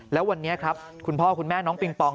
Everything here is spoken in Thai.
แล้ววันนี้ครับคุณพ่อคุณแม่น้องปิงปอง